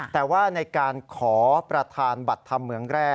แต่ว่าในการขอประธานบัตรธรรมเหมืองแร่